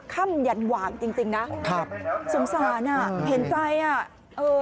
ข้ำยันหวามจริงนะสงสารน่ะเห็นใจน่ะเออ